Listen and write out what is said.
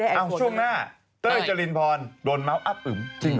เอ้าช่วงหน้าเต้ยจรินพรโดนเมาท์อัพอึมจริงเหรอ